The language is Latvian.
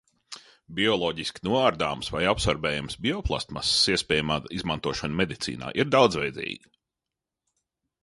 Bioloģiski noārdāmas vai absorbējamas bioplastmasas iespējamā izmantošana medicīnā ir daudzveidīga.